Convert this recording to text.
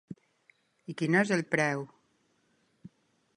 I quin es el preu?